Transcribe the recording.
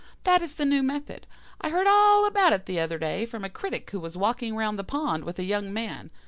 That is the new method. I heard all about it the other day from a critic who was walking round the pond with a young man.